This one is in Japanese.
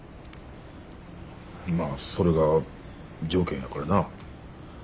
まあそれが条件やからな。